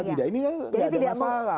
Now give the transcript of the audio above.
tidak ada masalah